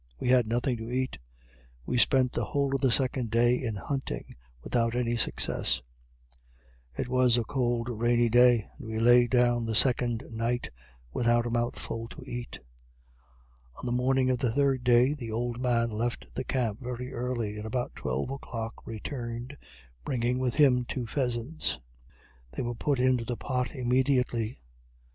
We had nothing to eat. We spent the whole of the second day in hunting, without any success; it was a cold rainy day, and we lay down the second night without a mouthful to eat. On the morning of the third day the old man left the camp very early, and about twelve o'clock returned, bringing with him two pheasants; they were put into the pot immediately.